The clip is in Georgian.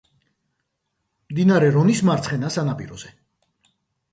მდინარე რონის მარცხენა სანაპიროზე.